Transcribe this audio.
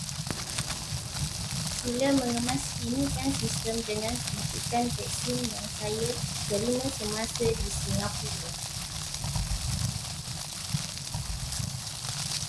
Sila mengemaskinikan sistem dengan suntikan vaksin yang saya terima semasa di Singapura.